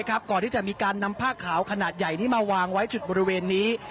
ก่อนที่จะมีการนำผ้าขาวขนาดใหญ่นี้มาวางไว้จุดบริเวณนี้